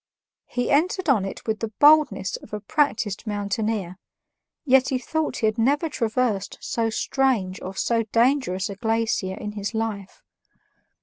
He entered on it with the boldness of a practiced mountaineer, yet he thought he had never traversed so strange or so dangerous a glacier in his life.